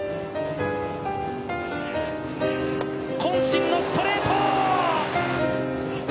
渾身のストレート！